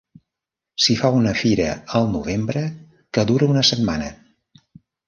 S'hi fa una fira al novembre que dura una setmana.